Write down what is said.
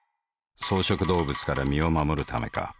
草食動物から身を護るためか。